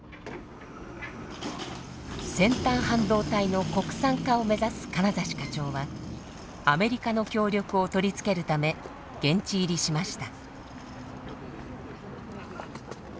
先端半導体の国産化を目指す金指課長はアメリカの協力を取り付けるため現地入りしました。